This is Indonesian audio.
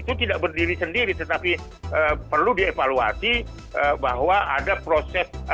itu tidak berdiri sendiri tetapi perlu dievaluasi bahwa ada proses